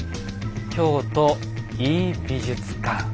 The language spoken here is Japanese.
「京都井伊美術館」。